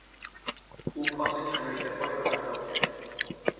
او پاس کم ارتفاعی را پرتاب کرد.